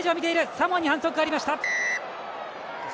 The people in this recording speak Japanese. サモアに反則がありました。